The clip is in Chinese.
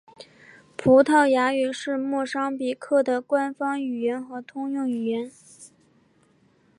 葡萄牙语是莫桑比克的官方语言和通用语言。